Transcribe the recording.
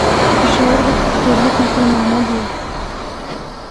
پشور بچ اکثریت مسلماںاں دی ہے۔